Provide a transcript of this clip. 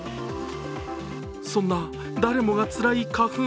そんな誰もがつらい花粉。